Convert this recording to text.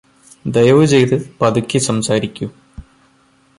ദയവുചെയ്ത് പതുക്കെ സംസാരിക്കൂ